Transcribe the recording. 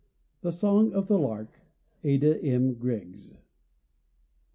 THE SONG OF THE LARK. ADA M. GRIGGS.